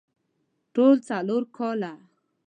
ټول څلور کاله